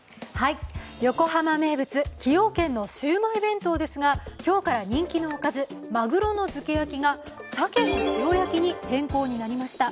横浜名物、崎陽軒のシウマイ弁当ですが、今日から人気のおかず鮪の漬け焼が鮭の塩焼きに変更になりました。